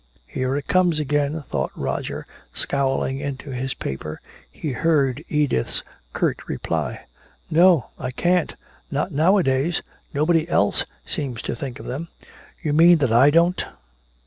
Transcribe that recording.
"Here it comes again," thought Roger, scowling into his paper. He heard Edith's curt reply: "No, I can't, not nowadays. Nobody else seems to think of them." "You mean that I don't!"